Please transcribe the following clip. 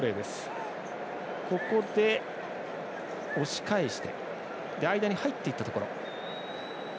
押し返して間に入っていったところ。